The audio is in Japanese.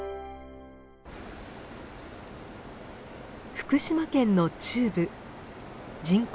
福島県の中部人口